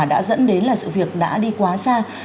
đã dẫn đến là sự việc đã đi quá xa